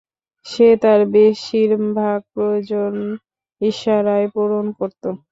সে তার বেশির ভাগ প্রয়োজন ইশারায় পূরণ করত।